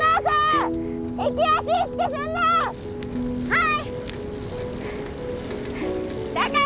はい！